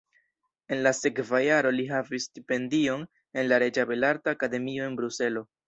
En la sekva jaro li havis stipendion en la reĝa belarta akademio en Bruselo.